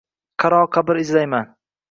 Qaro qabr izlayman.